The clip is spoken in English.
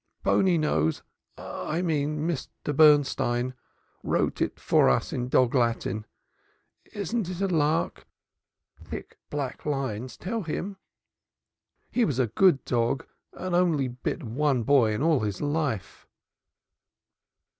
Bony nose I I mean Mr. Bernstein, wrote it for us in dog Latin. Isn't it a lark? Thick, black lines, tell him. He was a good dog and only bit one boy in his life."